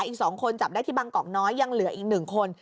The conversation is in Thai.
อีก๒คนจับได้ที่บางกอกน้อยยังเหลืออีก๑คน